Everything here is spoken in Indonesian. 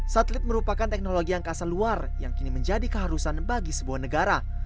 satelit merupakan teknologi angkasa luar yang kini menjadi keharusan bagi sebuah negara